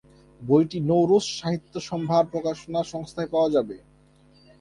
বইটি নওরোজ সাহিত্য সম্ভার প্রকাশনা সংস্থায় পাওয়া যাবে।